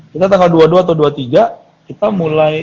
kita tanggal dua puluh dua atau dua puluh tiga kita mulai